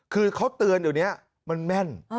คือเขาเตือนเดี๋ยวนี้มันแม่น